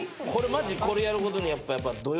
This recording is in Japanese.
これやることにやっぱ。